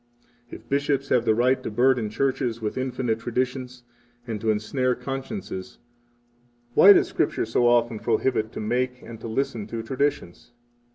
49 If bishops have the right to burden churches with infinite traditions, and to ensnare consciences, why does Scripture so often prohibit to make, and to listen to, traditions?